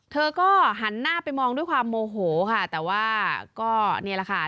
เธอก็หันหน้าไปมองด้วยความโมโหค่ะแต่ว่าก็นี่แหละค่ะ